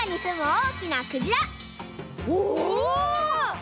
お！